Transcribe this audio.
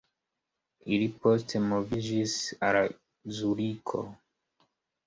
Ili poste moviĝis al Zuriko.